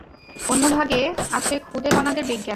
অন্য ভাগে আছে খুদে কণাদের বিজ্ঞান।